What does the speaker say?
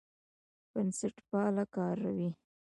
بنسټپال کاروي.